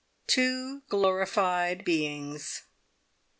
TWO GLORIFIED BEINGS.